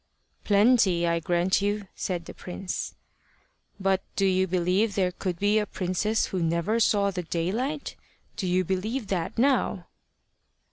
"Plenty, I grant you," said the prince. "But do you believe there could be a princess who never saw the daylight? Do you believe that now?"